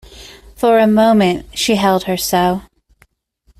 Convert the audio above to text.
For a moment she held her so.